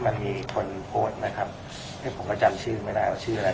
มันมีคนโพสต์นะครับผมก็จำชื่อไม่ได้ว่าชื่ออะไร